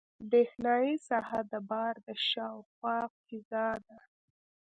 برېښنایي ساحه د بار د شاوخوا فضا ده.